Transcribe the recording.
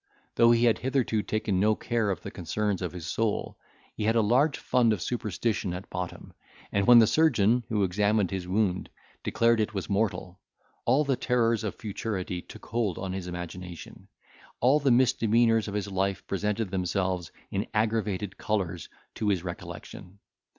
Though he had hitherto taken no care of the concerns of his soul, he had a large fund of superstition at bottom; and, when the surgeon, who examined his wound, declared it was mortal, all the terrors of futurity took hold on his imagination, all the misdemeanours of his life presented themselves in aggravated colours to his recollection.